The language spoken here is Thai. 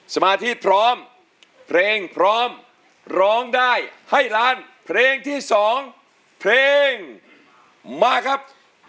สมาธิพร้อมเพลงพร้อมร้องได้ให้ล้านเพลงที่๒เพลงมาครับ